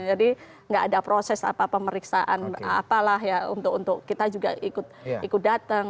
jadi nggak ada proses apa apa pemeriksaan apalah ya untuk kita juga ikut ikut datang